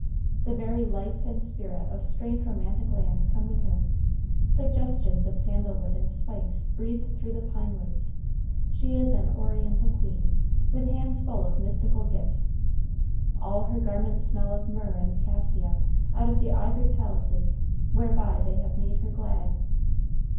The very life and spirit of strange romantic lands come with her; suggestions of sandal wood and spice breathe through the pine woods; she is an oriental queen, with hands full of mystical gifts; "all her garments smell of myrrh and cassia, out of the ivory palaces, whereby they have made her glad."